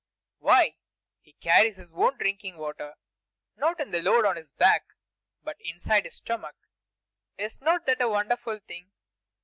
Why, he carries his own drinking water, not in the load on his back, but inside his stomach! Is not that a wonderful thing?